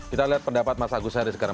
kita lihat pendapat mas agus hari sekarang